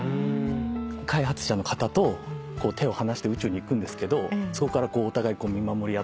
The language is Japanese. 開発者の方と手を離して宇宙に行くんですけどそこからお互い見守り合っているっていう。